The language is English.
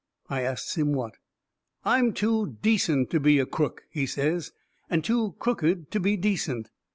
I asts him what. "I'm too decent to be a crook," he says, "and too crooked to be decent.